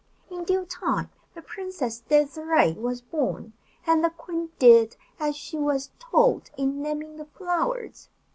In due time the Princess Désirée was born, and the queen did as she was told in naming the flowers.